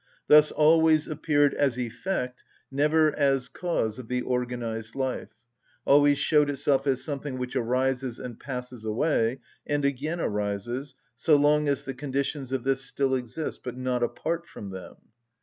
thus always appeared as effect, never as cause of the organised life, always showed itself as something which arises and passes away, and again arises, so long as the conditions of this still exist, but not apart from them.